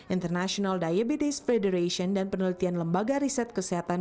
international diabetes federation dan penelitian lembaga riset kesehatan